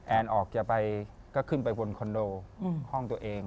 ออกจะไปก็ขึ้นไปบนคอนโดห้องตัวเอง